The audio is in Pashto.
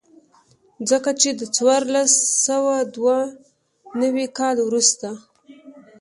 ځکه چې د څوارلس سوه دوه نوي کال وروسته.